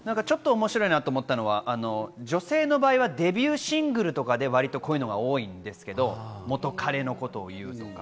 面白いなと思ったのは女性の場合はデビューシングルとかでこういうのが多いんですけど、元カレのことを言うとか。